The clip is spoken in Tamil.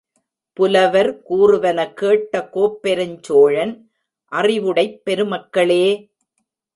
புலவர் கூறுவன கேட்ட கோப்பெருஞ் சோழன், அறிவுடைப் பெருமக்களே!